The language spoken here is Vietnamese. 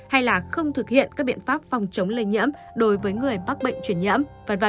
hay là không thực hiện các biện pháp phòng chống lây nhiễm đối với người bị nhiễm